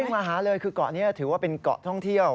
มาหาเลยคือเกาะนี้ถือว่าเป็นเกาะท่องเที่ยว